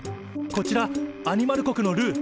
こちらアニマル国のルー。